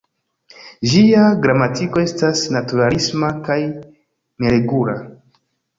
Ĝia gramatiko estas naturalisma kaj neregula.